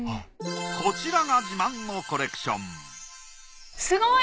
こちらが自慢のコレクションすごい！